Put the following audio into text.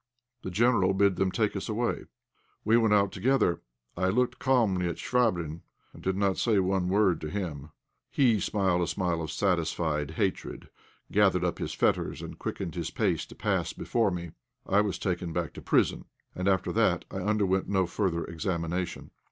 The General bid them take us away. We went out together. I looked calmly at Chvabrine, and did not say one word to him. He smiled a smile of satisfied hatred, gathered up his fetters, and quickened his pace to pass before me. I was taken back to prison, and after that I underwent no further examination.